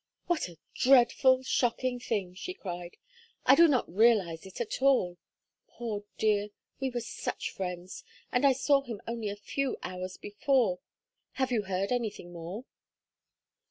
"What a dreadful shocking thing!" she cried. "I do not realize it at all. Poor dear, we were such friends and I saw him only a few hours before. Have you heard anything more?"